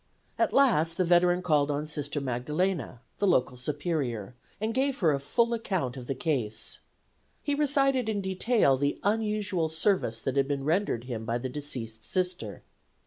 At last the veteran called on Sister Magdalena, the local Superior, and gave her a full account of the case. He recited in detail the unusual service that had been rendered him by the deceased Sister.